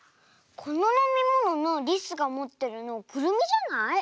こののみもののりすがもってるのくるみじゃない？